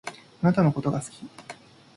あなたのことが好き。